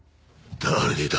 誰だ？